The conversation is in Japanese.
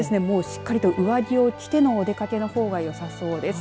しっかりと上着を着てのお出かけのほうがよさそうです。